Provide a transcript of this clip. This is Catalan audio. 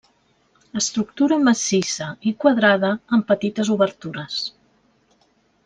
Estructura massissa i quadrada amb petites obertures.